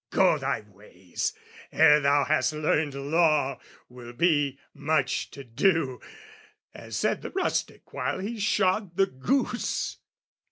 Go thy ways! Ere thou hast learned law, will be much to do, As said the rustic while he shod the goose.